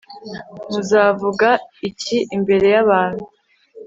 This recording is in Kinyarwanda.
muzavuga iki imbere y'abantu